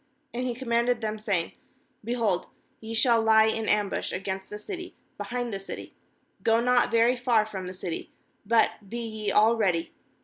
4And he commanded them, saying: 'Behold, y6 shall lie in ambush against the city, behind the city; go not very far from the city, but be ye all ready.